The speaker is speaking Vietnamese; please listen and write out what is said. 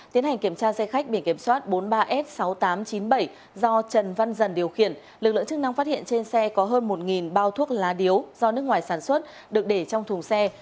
tiến hành kiểm tra xe khách biển kiểm soát bốn mươi ba s sáu nghìn tám trăm chín mươi bảy do trần văn dần điều khiển lực lượng chức năng phát hiện trên xe có hơn một bao thuốc lá điếu do nước ngoài sản xuất được để trong thùng xe